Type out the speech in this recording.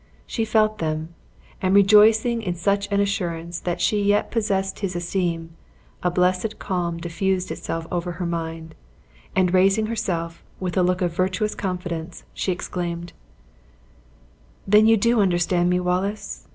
She felt them; and rejoicing in such an assurance that she yet possessed his esteem, a blessed calm diffused itself over her mind, and raising herself, with a look of virtuous confidence, she exclaimed: "Then you do understand me, Wallace?